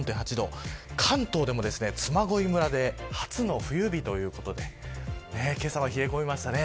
関東も嬬恋村で初の冬日ということでけさは冷え込みましたね。